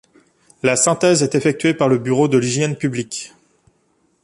La synthèse est effectuée par le Bureau de l'hygiène publique.